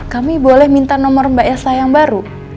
kami boleh minta nomor mbak esa yang baru